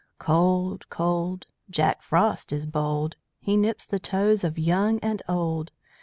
Cold, cold! Jack Frost is bold. He nips the toes of young and old.